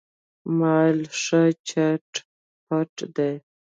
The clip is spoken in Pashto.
مال یې ښه چت پت دی.